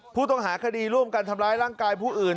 ผู้ต้องหาคดีร่วมกันทำร้ายร่างกายผู้อื่น